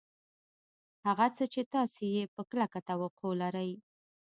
هغه څه چې تاسې یې په کلکه توقع لرئ